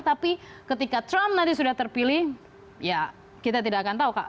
tapi ketika trump nanti sudah terpilih ya kita tidak akan tahu kak